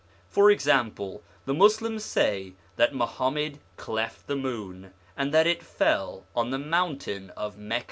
For example, the Muslims say that Muhammad cleft the moon, and that it fell on the mountain of Mecca : 1 Of 'Umar.